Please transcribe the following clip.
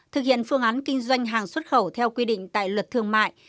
thực hiện phương án kinh doanh hàng xuất khẩu theo quy định tại luật thương mại